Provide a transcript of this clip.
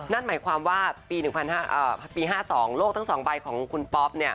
นั่นหมายความว่าปี๑ปี๕๒โลกทั้ง๒ใบของคุณป๊อป